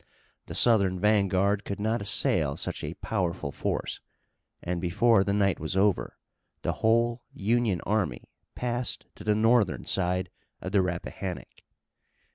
The Southern vanguard could not assail such a powerful force, and before the night was over the whole Union army passed to the Northern side of the Rappahannock.